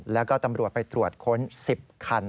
แล้วก็ตำรวจไปตรวจค้น๑๐คัน